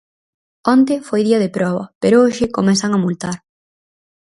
Onte foi día de proba, pero hoxe comezan a multar.